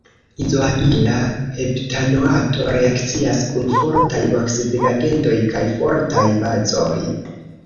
Izoamila heptanoato reakcias kun fortaj oksidigagentoj kaj fortaj bazoj.